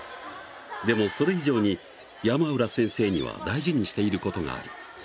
でも、それ以上に山浦先生には大事にしていることがある。